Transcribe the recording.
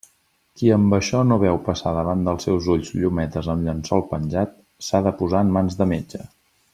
Qui amb això no veu passar davant dels seus ulls llumetes amb llençol penjat, s'ha de posar en mans de metge.